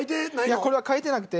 これは書いてなくて。